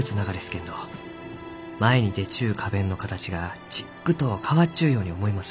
けんど前に出ちゅう花弁の形がちっくと変わっちゅうように思います。